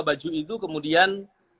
baju itu kemudian